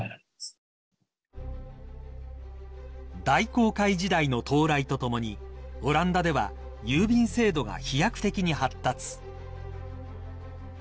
［大航海時代の到来とともにオランダでは郵便制度が飛躍的に発達］